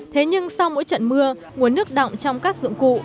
thế nhưng sau mỗi trận mưa nguồn nước đọng trong các dụng cụ